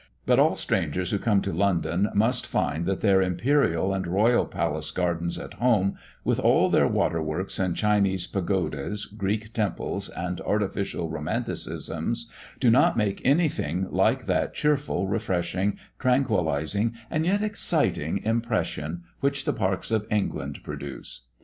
But all strangers who come to London must find that their imperial and royal palace gardens at home, with all their waterworks, and Chinese pagodas, Greek temples, and artificial romanticisms, do not make anything like that cheerful, refreshing, tranquillising, and yet exciting impression which the parks of England produce.